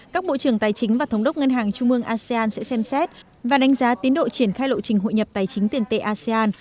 các bộ trưởng tài chính và thống đốc ngân hàng trung ương asean sẽ xem xét và đánh giá tiến độ triển khai lộ trình hội nhập tài chính tiền tệ asean